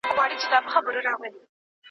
د ټولني د فکري بډاينې لپاره ګډ کار وکړئ.